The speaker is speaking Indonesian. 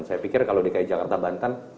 saya pikir kalau dki jakarta banten